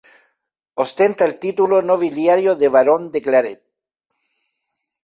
Ostenta el título nobiliario de barón de Claret.